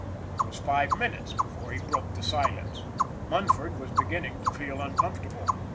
It was five minutes before he broke the silence; Munford was beginning to feel uncomfortable.